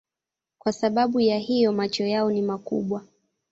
Kwa sababu ya hiyo macho yao ni makubwa.